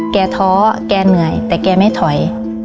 ท้อแกเหนื่อยแต่แกไม่ถอย